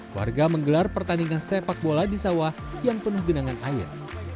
warga menggelar pertandingan sepak bola di sawah yang penuh genangan air